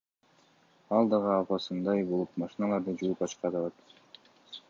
Ал дагы апасындай болуп машиналарды жууп ачка табат.